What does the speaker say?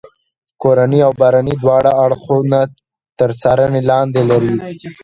کورني او بهرني دواړه اړخونه تر څارنې لاندې لري.